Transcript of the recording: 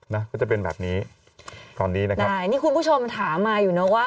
นะก็จะเป็นแบบนี้ตอนนี้นะครับใช่นี่คุณผู้ชมถามมาอยู่เนอะว่า